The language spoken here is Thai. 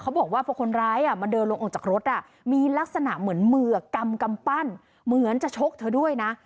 บอกว่าพอคนร้ายมาเดินลงออกจากรถมีลักษณะเหมือนมือกำปั้นเหมือนจะชกเธอด้วยนะ